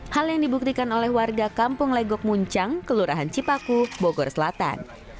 hal yang dibuktikan oleh warga kampung legok muncang kelurahan cipaku bogor selatan